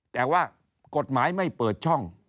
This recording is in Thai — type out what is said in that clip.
แต่ว่ากฎหมายไม่เปิดช่อง